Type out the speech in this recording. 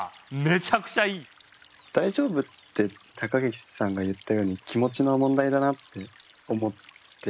「大丈夫」って高岸さんが言ったように気持ちの問題だなって思って。